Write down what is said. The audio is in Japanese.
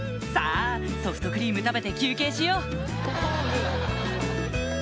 さぁソフトクリーム食べて休憩しよう！